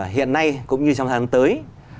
hiện nay cũng như trong tháng tới